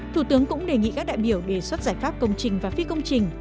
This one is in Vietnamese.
thủ tướng cũng đề nghị các đại biểu đề xuất giải pháp công trình và phi công trình